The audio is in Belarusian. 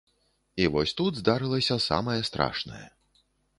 І вось тут здарылася самае страшнае.